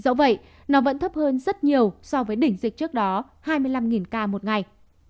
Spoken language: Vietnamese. dẫu vậy nó vẫn thấp hơn rất nhiều so với đỉnh dịch trước đó hai mươi năm ca một ngày